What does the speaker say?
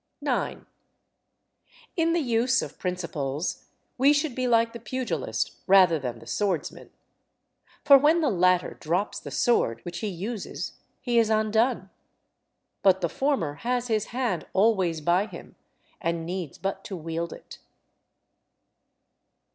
9. In the use of principles we should be like the pugilist rather than the swordsman. For when the latter drops the sword which he uses he is undone. But the former has his hand always by him and needs but to wield it.